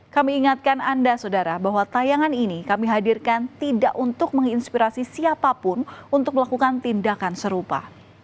kami ingatkan anda saudara bahwa tayangan ini kami hadirkan tidak untuk menginspirasi siapapun untuk melakukan tindakan serupa